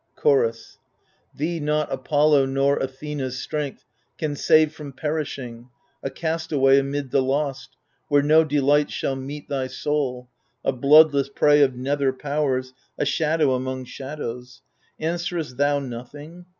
Chorus Thee not Apollo nor Athena's strength Can save from perishing, a castaway Amid the Lost, where no delight shall meet Thy soul — a bloodless prey of nether powers, A shadow among shadows. Answerest thou Nothing